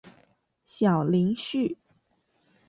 小林旭。